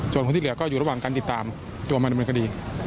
ส่วนคนที่เหลือก็อยู่ระหว่างการติดตามตัวมาดำเนินคดี